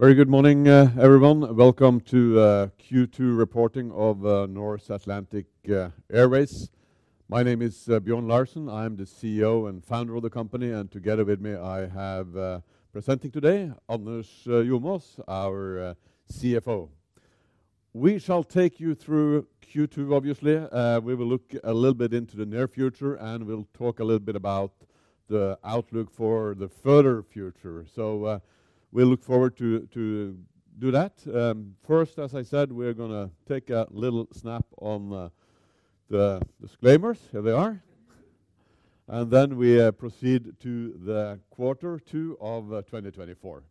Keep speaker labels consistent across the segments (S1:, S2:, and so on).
S1: Very good morning, everyone. Welcome to Q2 reporting of Norse Atlantic Airways. My name is Bjørn Larsen. I am the CEO and founder of the company, and together with me, I have presenting today, Anders Jomaas, our CFO. We shall take you through Q2, obviously. We will look a little bit into the near future, and we'll talk a little bit about the outlook for the further future. So, we look forward to do that. First, as I said, we're gonna take a little snap on the disclaimers. Here they are, and then we proceed to the quarter two of twenty twenty-four.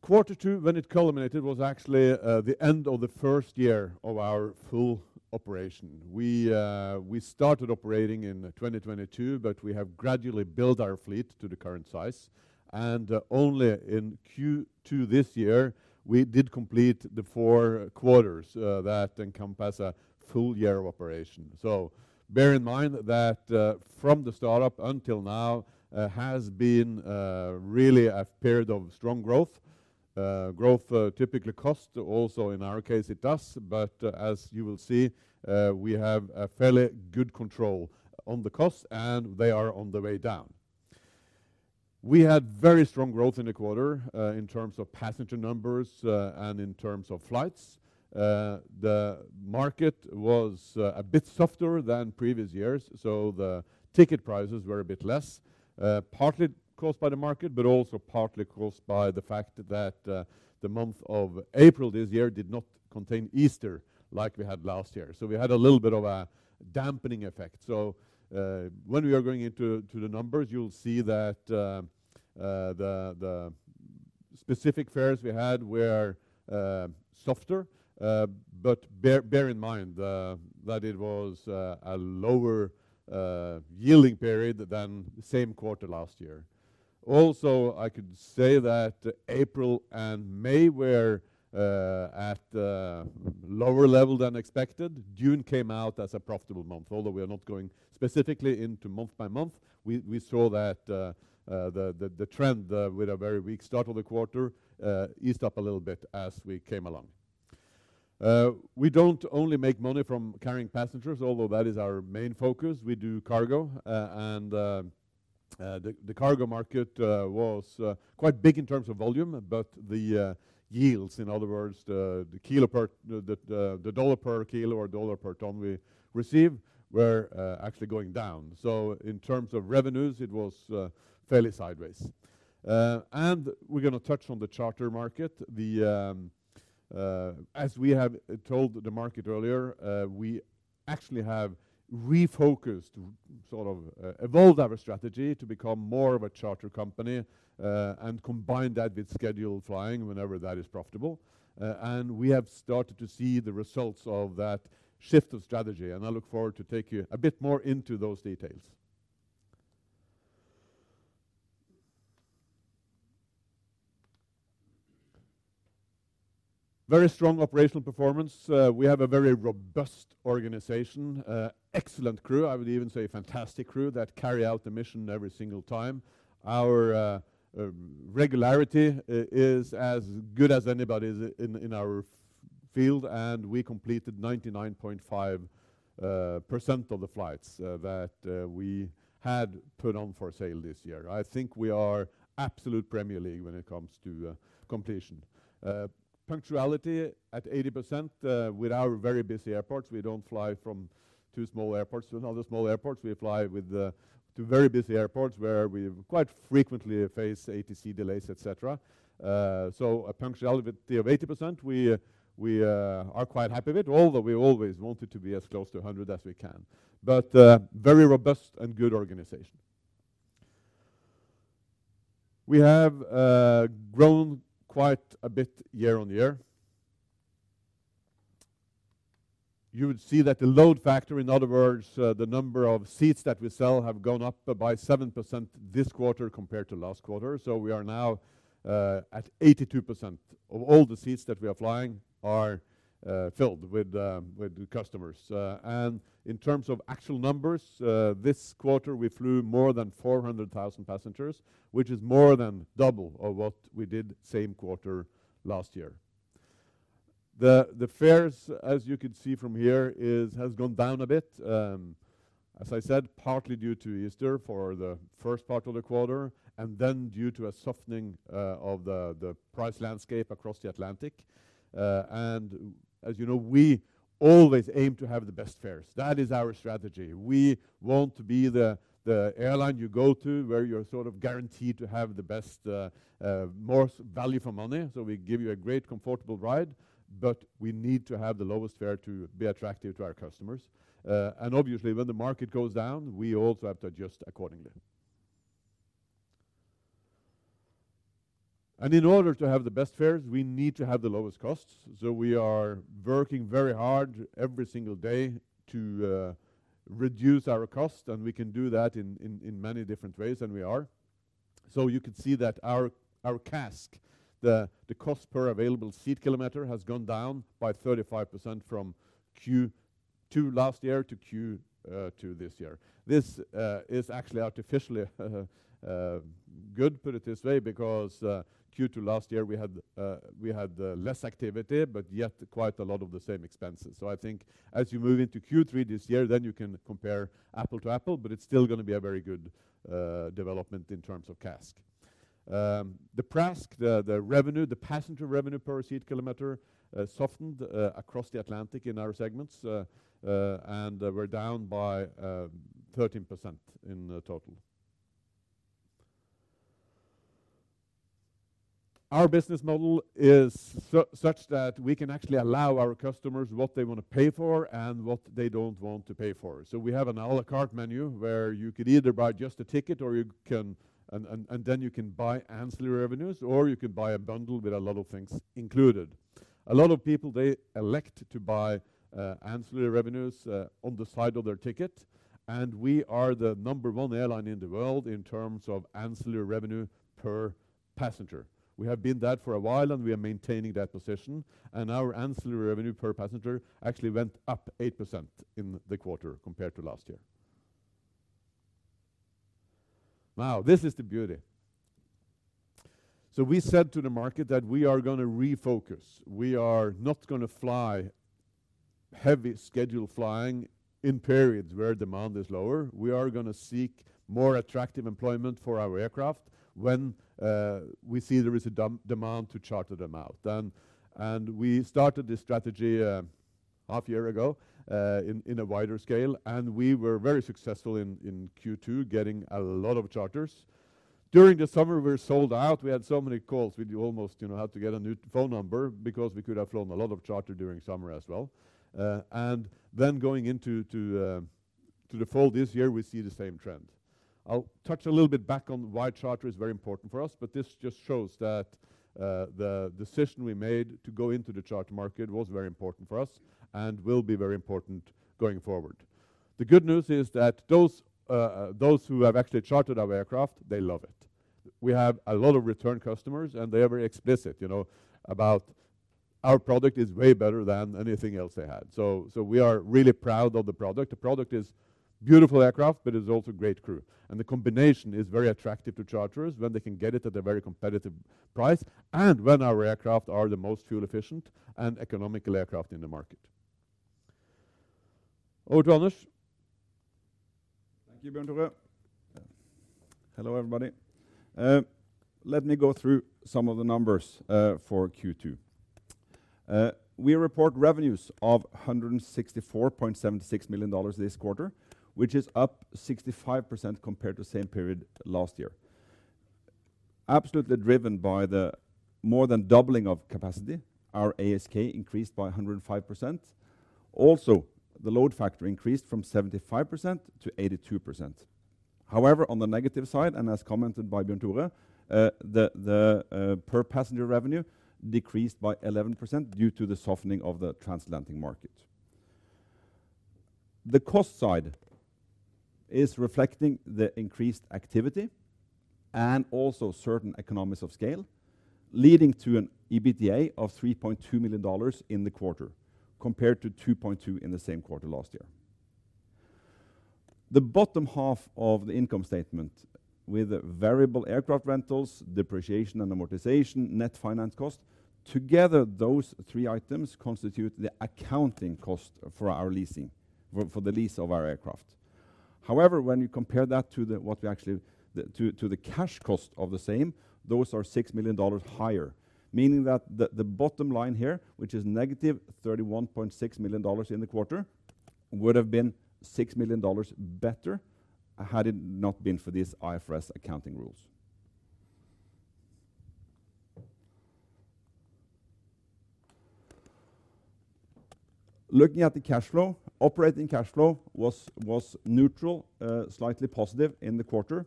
S1: Quarter two, when it culminated, was actually the end of the first year of our full operation. We started operating in 2022, but we have gradually built our fleet to the current size, and only in Q2 this year, we did complete the four quarters that encompass a full year of operation, so bear in mind that from the startup until now has been really a period of strong growth. Growth typically cost; also in our case, it does, but as you will see, we have a fairly good control on the cost, and they are on the way down. We had very strong growth in the quarter in terms of passenger numbers and in terms of flights. The market was a bit softer than previous years, so the ticket prices were a bit less, partly caused by the market, but also partly caused by the fact that the month of April this year did not contain Easter like we had last year, so we had a little bit of a dampening effect. When we are going into the numbers, you'll see that the specific fares we had were softer, but bear in mind that it was a lower yielding period than the same quarter last year. Also, I could say that April and May were at a lower level than expected. June came out as a profitable month. Although we are not going specifically into month by month, we saw that the trend with a very weak start of the quarter eased up a little bit as we came along. We don't only make money from carrying passengers, although that is our main focus. We do cargo and the cargo market was quite big in terms of volume, but the yields, in other words, the dollar per kilo or dollar per ton we received, were actually going down. So in terms of revenues, it was fairly sideways. We're gonna touch on the charter market. As we have told the market earlier, we actually have refocused, sort of, evolved our strategy to become more of a charter company, and combined that with scheduled flying whenever that is profitable, and we have started to see the results of that shift of strategy, and I look forward to take you a bit more into those details. Very strong operational performance. We have a very robust organization, excellent crew, I would even say fantastic crew, that carry out the mission every single time. Our regularity is as good as anybody's in our field, and we completed 99.5% of the flights that we had put on for sale this year. I think we are absolute Premier League when it comes to completion. Punctuality at 80% with our very busy airports. We don't fly from two small airports to another small airports. We fly to very busy airports, where we quite frequently face ATC delays, et cetera, so a punctuality of 80% we are quite happy with, although we always want it to be as close to 100% as we can but very robust and good organization. We have grown quite a bit year-on-year. You would see that the load factor, in other words, the number of seats that we sell, have gone up by 7% this quarter compared to last quarter, so we are now at 82% of all the seats that we are flying are filled with customers. And in terms of actual numbers, this quarter, we flew more than 400,000 passengers, which is more than double of what we did same quarter last year. The fares, as you can see from here, has gone down a bit, as I said, partly due to Easter for the first part of the quarter, and then due to a softening of the price landscape across the Atlantic. And as you know, we always aim to have the best fares. That is our strategy. We want to be the airline you go to, where you're sort of guaranteed to have the best most value for money. So we give you a great, comfortable ride, but we need to have the lowest fare to be attractive to our customers. And obviously, when the market goes down, we also have to adjust accordingly. And in order to have the best fares, we need to have the lowest costs. So we are working very hard every single day to reduce our cost, and we can do that in many different ways, and we are. So you could see that our CASK, the cost per available seat kilometer, has gone down by 35% from Q2 last year to Q2 this year. This is actually artificially good, put it this way, because Q2 last year, we had less activity, but yet quite a lot of the same expenses. So I think as you move into Q3 this year, then you can compare apple to apple, but it's still gonna be a very good development in terms of CASK. The PRASK, the revenue, the passenger revenue per seat kilometer, softened across the Atlantic in our segments, and we're down by 13% in total. Our business model is such that we can actually allow our customers what they wanna pay for and what they don't want to pay for. So we have an a la carte menu, where you could either buy just a ticket, or you can, and then you can buy ancillary revenues, or you could buy a bundle with a lot of things included. A lot of people, they elect to buy ancillary revenues on the side of their ticket, and we are the number one airline in the world in terms of ancillary revenue per passenger. We have been that for a while, and we are maintaining that position, and our ancillary revenue per passenger actually went up 8% in the quarter compared to last year. Now, this is the beauty, so we said to the market that we are gonna refocus. We are not gonna fly heavy schedule flying in periods where demand is lower. We are gonna seek more attractive employment for our aircraft when we see there is a demand to charter them out, and we started this strategy half year ago in a wider scale, and we were very successful in Q2, getting a lot of charters. During the summer, we were sold out. We had so many calls, we do almost, you know, have to get a new phone number because we could have flown a lot of charter during summer as well. And then going into the fall this year, we see the same trend. I'll touch a little bit back on why charter is very important for us, but this just shows that the decision we made to go into the charter market was very important for us and will be very important going forward. The good news is that those who have actually chartered our aircraft, they love it. We have a lot of return customers, and they are very explicit, you know, about our product is way better than anything else they had. So we are really proud of the product. The product is beautiful aircraft, but it's also great crew. And the combination is very attractive to charterers when they can get it at a very competitive price and when our aircraft are the most fuel efficient and economical aircraft in the market. Over to Anders.
S2: Thank you, Bjørn Tore. Hello, everybody. Let me go through some of the numbers for Q2. We report revenues of $164.76 million this quarter, which is up 65% compared to same period last year. Absolutely driven by the more than doubling of capacity, our ASK increased by 105%. Also, the load factor increased from 75% to 82%. However, on the negative side, and as commented by Bjørn Tore, the per passenger revenue decreased by 11% due to the softening of the transatlantic market. The cost side is reflecting the increased activity and also certain economies of scale, leading to an EBITDA of $3.2 million in the quarter, compared to $2.2 million in the same quarter last year. The bottom half of the income statement, with variable aircraft rentals, depreciation and amortization, net finance cost, together, those three items constitute the accounting cost for our leasing, for the lease of our aircraft. However, when you compare that to the cash cost of the same, those are $6 million higher, meaning that the bottom line here, which is -$31.6 million in the quarter, would have been $6 million better, had it not been for these IFRS accounting rules. Looking at the cash flow, operating cash flow was neutral, slightly positive in the quarter,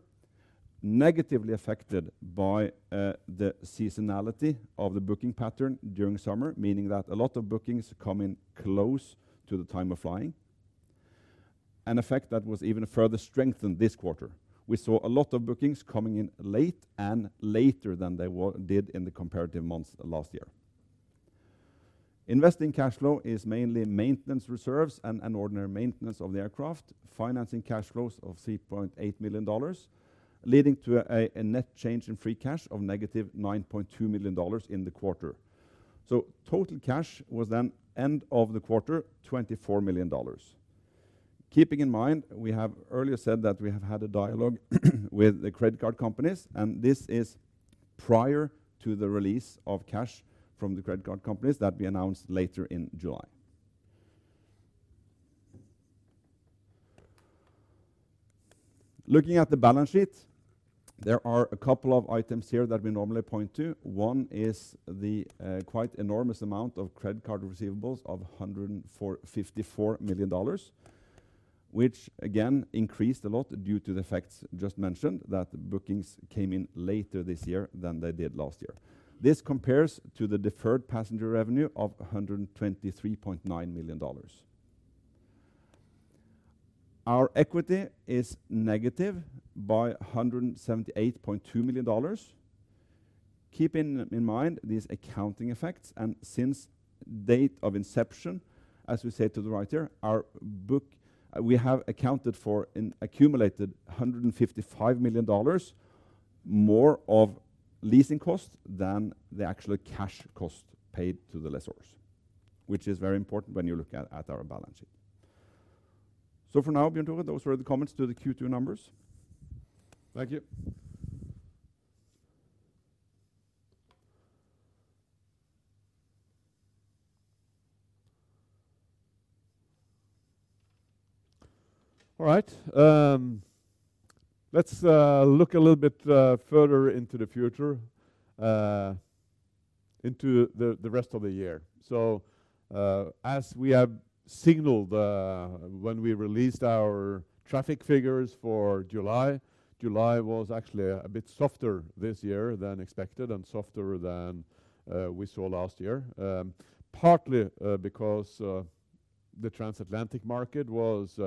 S2: negatively affected by the seasonality of the booking pattern during summer, meaning that a lot of bookings come in close to the time of flying. An effect that was even further strengthened this quarter. We saw a lot of bookings coming in late and later than they did in the comparative months last year. Investing cash flow is mainly maintenance reserves and an ordinary maintenance of the aircraft, financing cash flows of $3.8 million, leading to a net change in free cash of -$9.2 million in the quarter. Total cash was then, end of the quarter, $24 million. Keeping in mind, we have earlier said that we have had a dialogue with the credit card companies, and this is prior to the release of cash from the credit card companies that we announced later in July. Looking at the balance sheet, there are a couple of items here that we normally point to. One is the quite enormous amount of credit card receivables of $54 million, which again increased a lot due to the facts just mentioned, that bookings came in later this year than they did last year. This compares to the deferred passenger revenue of $123.9 million. Our equity is negative by $178.2 million. Keeping in mind these accounting effects, and since date of inception, as we say to the right here, our book, we have accounted for an accumulated $155 million more of leasing costs than the actual cash cost paid to the lessors, which is very important when you look at our balance sheet. So for now, Bjørn Tore, those were the comments to the Q2 numbers.
S1: Thank you. All right, let's look a little bit further into the future, into the rest of the year so as we have signaled, when we released our traffic figures for July, July was actually a bit softer this year than expected and softer than we saw last year. Partly because the transatlantic market was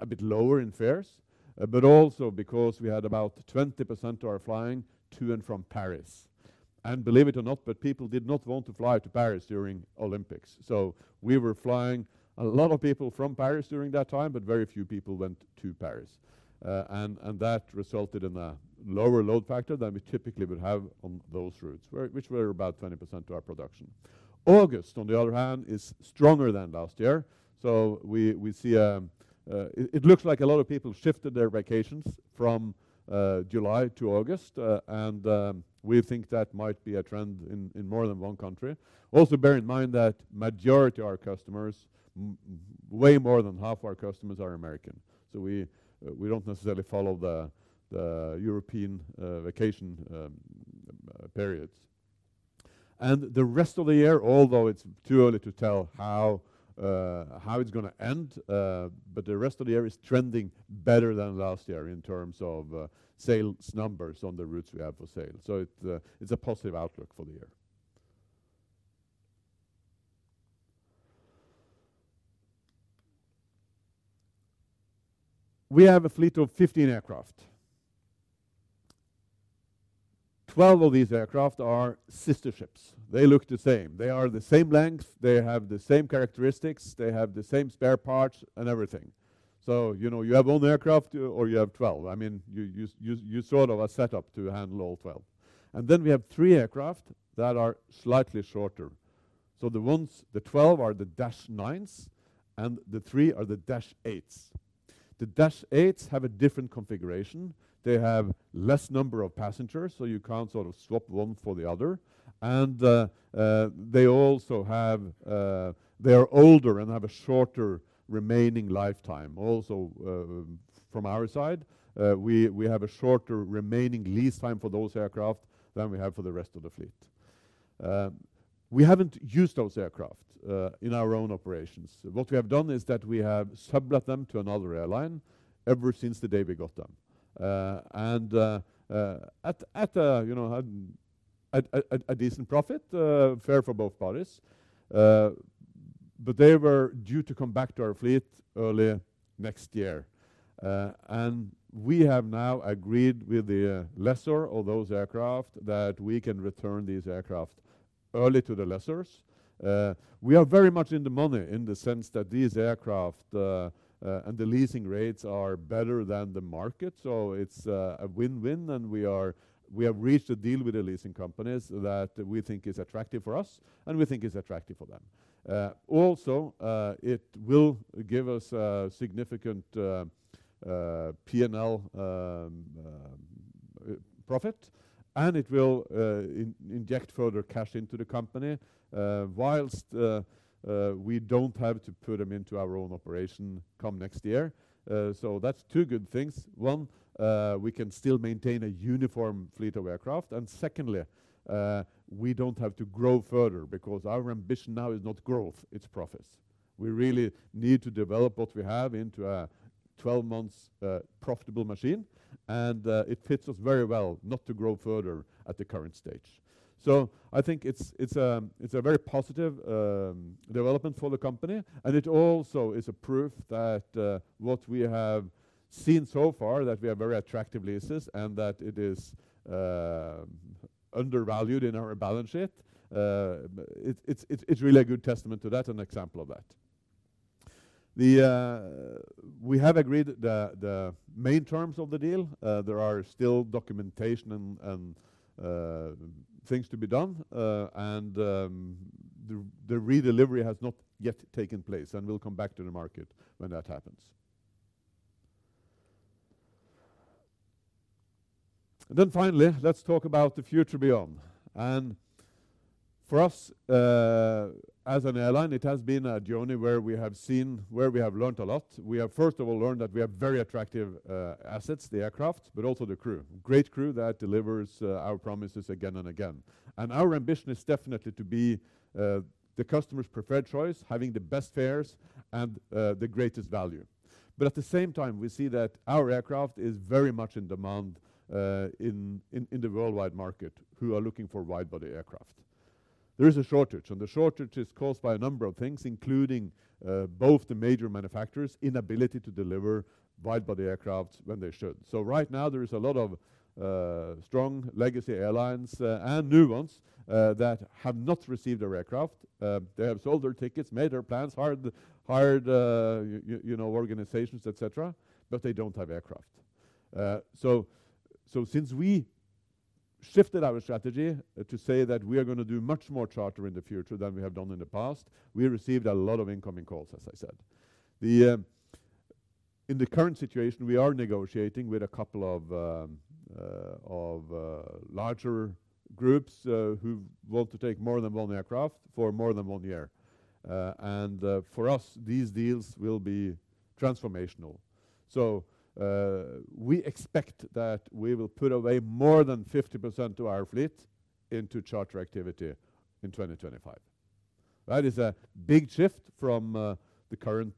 S1: a bit lower in fares, but also because we had about 20% are flying to and from Paris and believe it or not, but people did not want to fly to Paris during Olympics so we were flying a lot of people from Paris during that time, but very few people went to Paris and that resulted in a lower load factor than we typically would have on those routes, which were about 20% of our production. August, on the other hand, is stronger than last year, so we see. It looks like a lot of people shifted their vacations from July to August, and we think that might be a trend in more than one country. Also, bear in mind that majority of our customers, way more than half our customers are American. So we don't necessarily follow the European vacation periods, and the rest of the year, although it's too early to tell how it's gonna end, but the rest of the year is trending better than last year in terms of sales numbers on the routes we have for sale. So it's a positive outlook for the year. We have a fleet of 15 aircraft. 12 of these aircraft are sister ships. They look the same. They are the same length, they have the same characteristics, they have the same spare parts and everything. So, you know, you have one aircraft or you have twelve. I mean, you sort of are set up to handle all twelve. And then we have three aircraft that are slightly shorter. So the ones—the twelve are the Dash 9s, and the three are the Dash 8s. The Dash 8s have a different configuration. They have less number of passengers, so you can't sort of swap one for the other. And they also have... They are older and have a shorter remaining lifetime. Also, from our side, we have a shorter remaining lease time for those aircraft than we have for the rest of the fleet. We haven't used those aircraft in our own operations. What we have done is that we have sublet them to another airline ever since the day we got them, and, you know, at a decent profit, fair for both parties, but they were due to come back to our fleet early next year, and we have now agreed with the lessor of those aircraft that we can return these aircraft early to the lessors. We are very much in the money in the sense that these aircraft and the leasing rates are better than the market, so it's a win-win, and we have reached a deal with the leasing companies that we think is attractive for us, and we think is attractive for them. Also, it will give us a significant P&L profit, and it will inject further cash into the company while we don't have to put them into our own operation come next year. So that's two good things. One, we can still maintain a uniform fleet of aircraft, and secondly, we don't have to grow further because our ambition now is not growth, it's profits. We really need to develop what we have into a 12-month profitable machine, and it fits us very well not to grow further at the current stage. So I think it's a very positive development for the company, and it also is a proof that what we have seen so far, that we have very attractive leases and that it is undervalued in our balance sheet. It's really a good testament to that and example of that. We have agreed the main terms of the deal. There are still documentation and things to be done, and the redelivery has not yet taken place, and we'll come back to the market when that happens, and then finally, let's talk about the future beyond, and for us, as an airline, it has been a journey where we have learned a lot. We have, first of all, learned that we have very attractive assets, the aircraft, but also the crew. Great crew that delivers our promises again and again, and our ambition is definitely to be the customer's preferred choice, having the best fares and the greatest value, but at the same time, we see that our aircraft is very much in demand in the worldwide market, who are looking for wide-body aircraft. There is a shortage, and the shortage is caused by a number of things, including both the major manufacturers' inability to deliver wide-body aircraft when they should, so right now, there is a lot of strong legacy airlines and new ones that have not received their aircraft. They have sold their tickets, made their plans, hired you know organizations, et cetera, but they don't have aircraft. So since we shifted our strategy to say that we are gonna do much more charter in the future than we have done in the past, we received a lot of incoming calls, as I said. In the current situation, we are negotiating with a couple of larger groups who want to take more than one aircraft for more than one year. And for us, these deals will be transformational. So we expect that we will put away more than 50% of our fleet into charter activity in twenty twenty-five. That is a big shift from the current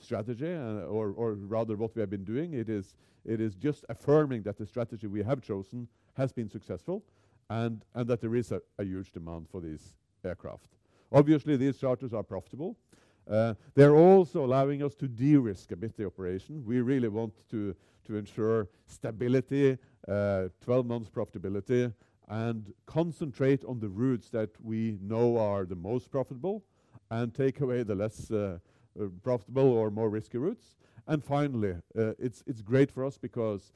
S1: strategy, or rather, what we have been doing. It is just affirming that the strategy we have chosen has been successful and that there is a huge demand for these aircraft. Obviously, these charters are profitable. They're also allowing us to de-risk a bit the operation. We really want to ensure stability, 12 months profitability, and concentrate on the routes that we know are the most profitable and take away the less profitable or more risky routes. And finally, it's great for us because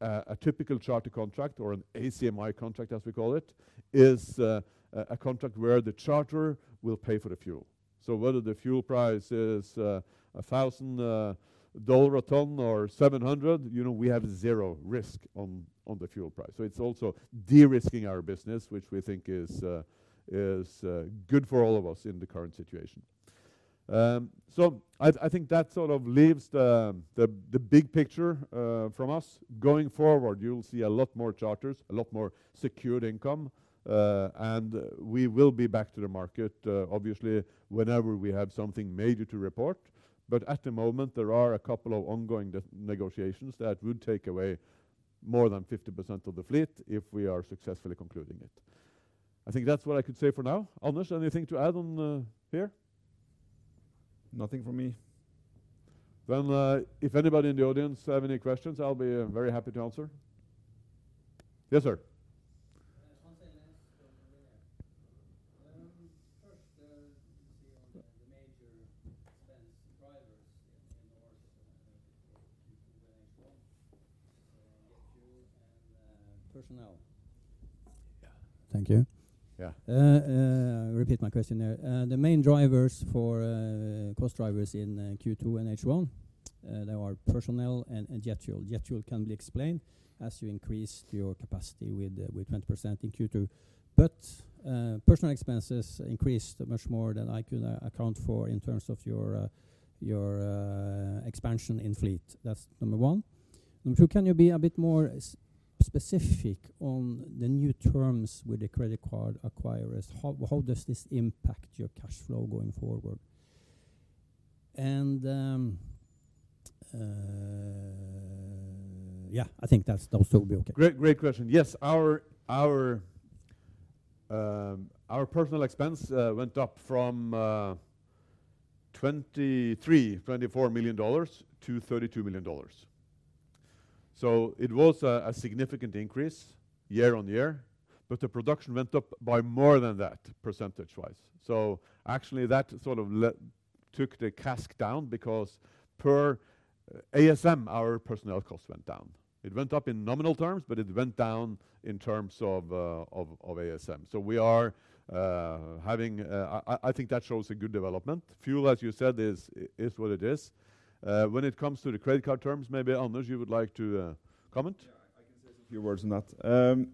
S1: a typical charter contract or an ACMI contract, as we call it, is a contract where the charter will pay for the fuel. So whether the fuel price is $1,000 a ton or $700, you know, we have zero risk on the fuel price. So it's also de-risking our business, which we think is good for all of us in the current situation. So I think that sort of leaves the big picture from us. Going forward, you'll see a lot more charters, a lot more secured income, and we will be back to the market, obviously, whenever we have something major to report. But at the moment, there are a couple of ongoing negotiations that would take away more than 50% of the fleet if we are successfully concluding it. I think that's what I could say for now. Anders, anything to add on here?
S2: Nothing from me.
S1: Then, if anybody in the audience have any questions, I'll be very happy to answer. Yes, sir. Hans Jørgen Elnæs from WinAir. First, let me see on the major expense drivers in ours Q2 and H1, jet fuel and personnel. Yeah. Thank you. Yeah. Repeat my question there. The main drivers for cost drivers in Q2 and H1, they are personnel and jet fuel. Jet fuel can be explained as you increased your capacity with 20% in Q2. But personal expenses increased much more than I could account for in terms of your expansion in fleet. That's number one. Number two, can you be a bit more specific on the new terms with the credit card acquirers? How does this impact your cash flow going forward? And yeah, I think that's those will be okay. Great, great question. Yes, our personnel expense went up from $23 million-$24 million to $32 million. So it was a significant increase year-on-year, but the production went up by more than that, percentage-wise. So actually, that sort of took the CASK down because per ASK, our personnel costs went down. It went up in nominal terms, but it went down in terms of ASK. So we are having... I think that shows a good development. Fuel, as you said, is what it is. When it comes to the credit card terms, maybe, Anders, you would like to comment?
S2: Yeah, I can say a few words on that.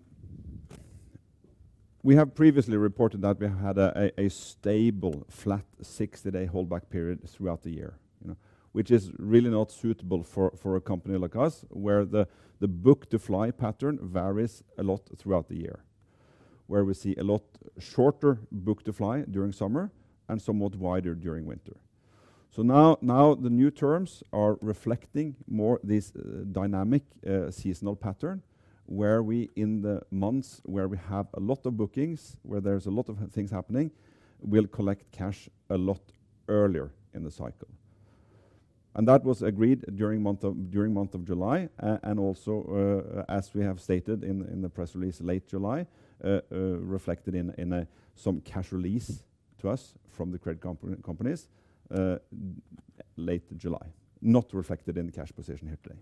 S2: We have previously reported that we had a stable, flat, sixty-day holdback period throughout the year, you know, which is really not suitable for a company like us, where the book to fly pattern varies a lot throughout the year. Where we see a lot shorter book to fly during summer and somewhat wider during winter. So now, the new terms are reflecting more this dynamic, seasonal pattern, where we in the months where we have a lot of bookings, where there's a lot of things happening, we'll collect cash a lot earlier in the cycle. And that was agreed during month of July, and also, as we have stated in the press release, late July, reflected in some cash release to us from the credit companies, late July. Not reflected in the cash position here today.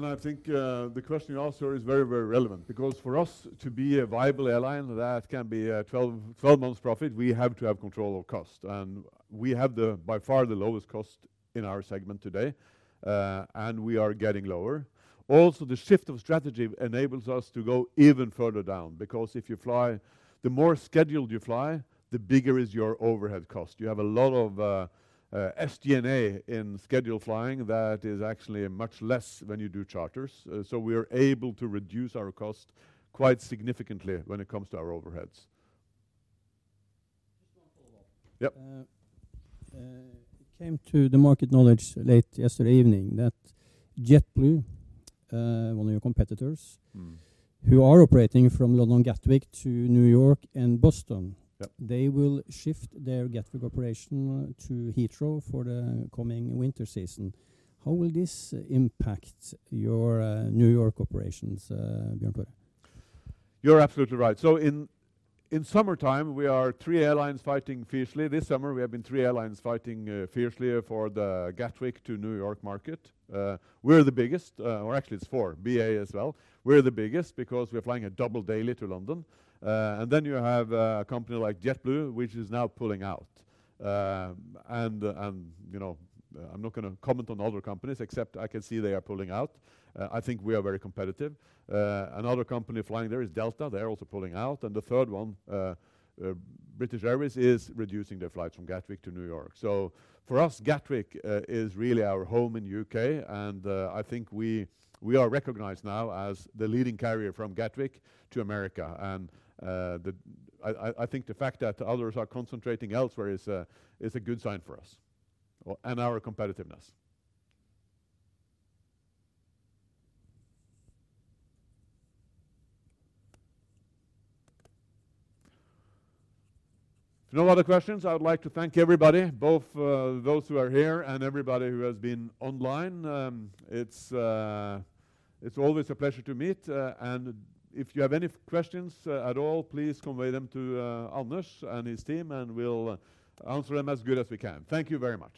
S1: I think the question you asked here is very, very relevant, because for us to be a viable airline that can be a twelve months profit, we have to have control of cost, and we have, by far, the lowest cost in our segment today, and we are getting lower. Also, the shift of strategy enables us to go even further down, because the more scheduled you fly, the bigger is your overhead cost. You have a lot of SG&A in scheduled flying that is actually much less when you do charters. So we are able to reduce our cost quite significantly when it comes to our overheads. Just one follow-up. Yep. It came to the market knowledge late yesterday evening that JetBlue, one of your competitors- Mm. Who are operating from London Gatwick to New York and Boston- Yep. They will shift their Gatwick operation to Heathrow for the coming winter season. How will this impact your New York operations, Bjørn Tore Larsen? You're absolutely right. So in summertime, we are three airlines fighting fiercely. This summer, we have been three airlines fighting fiercely for the Gatwick to New York market. We're the biggest, or actually it's four, BA as well. We're the biggest because we're flying a double daily to London. And then you have a company like JetBlue, which is now pulling out. And you know, I'm not gonna comment on other companies, except I can see they are pulling out. I think we are very competitive. Another company flying there is Delta. They're also pulling out. And the third one, British Airways, is reducing their flights from Gatwick to New York. So for us, Gatwick is really our home in U.K., and I think we are recognized now as the leading carrier from Gatwick to America. And the fact that others are concentrating elsewhere is a good sign for us and our competitiveness. No other questions. I would like to thank everybody, both those who are here and everybody who has been online. It's always a pleasure to meet, and if you have any questions at all, please convey them to Anders and his team, and we'll answer them as good as we can. Thank you very much.